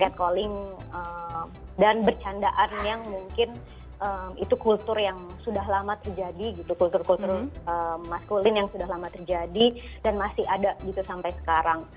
at calling dan bercandaan yang mungkin itu kultur yang sudah lama terjadi gitu kultur kultur maskulin yang sudah lama terjadi dan masih ada gitu sampai sekarang